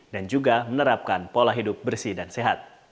dan juga menerapkan pola hidup bersih dan sehat